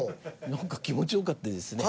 なんか気持ち良かったですね。